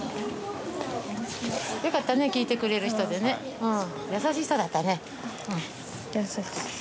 よかったね聞いてくれる人でね優しい人だったね